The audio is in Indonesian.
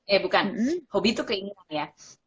eh bukan hobi itu keinginan ya